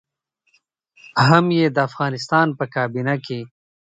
هم يې د افغانستان په کابينه کې.